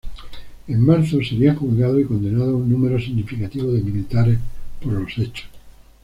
En marzo serían juzgados y condenados un número significativo de militares por los hechos.